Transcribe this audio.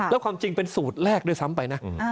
แล้วความจริงเป็นสูตรแรกด้วยซ้ำไปนะ